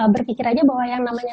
berpikir aja bahwa yang namanya